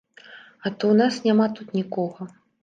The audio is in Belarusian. А то ў нас няма тут нікога!